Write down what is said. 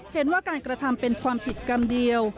เห็นว่าการกระทำเป็นความผิดกรรมเดียว